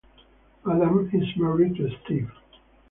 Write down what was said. Adams is married to Steve.